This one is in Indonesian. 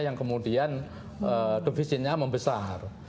yang kemudian defisitnya membesar